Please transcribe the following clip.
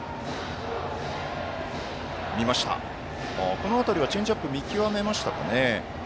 この辺りはチェンジアップ見極めましたかね。